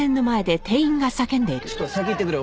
ちょっと先に行ってくれ。